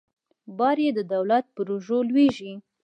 بار یې د دولت پر اوږو لویږي.